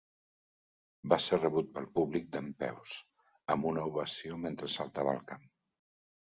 Va ser rebut pel públic dempeus, amb una ovació mentre saltava al camp.